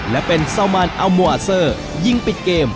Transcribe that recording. และเป็นซาวมานอัลโมอาเซอร์ยิงปิดเกม